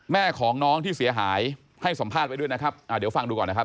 แม่ของน้องที่เสียหายให้สัมภาษณ์ไว้ด้วยนะครับอ่าเดี๋ยวฟังดูก่อนนะครับ